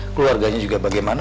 keluarganya juga bagaimana